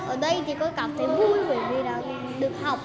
ở đây thì con cảm thấy vui bởi vì được học